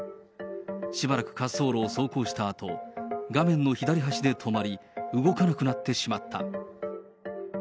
しばらく滑走路を走行したあと、画面の左端で止まり、動かなくなってしまった。